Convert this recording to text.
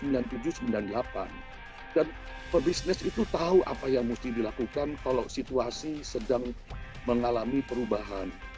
dan pebisnis itu tahu apa yang mesti dilakukan kalau situasi sedang mengalami perubahan